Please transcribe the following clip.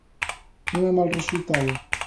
Non é mal resultado.